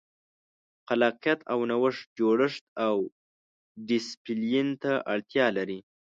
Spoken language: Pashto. خلاقیت او نوښت جوړښت او ډیسپلین ته اړتیا لري.